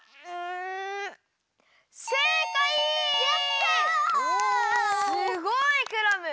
すごいクラム！